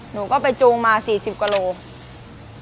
หนูก็ไปจูงมา๔๐กว่ากิโลกรัม